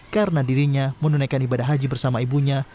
karena dirinya menunaikan ibadah haji bersama ibunya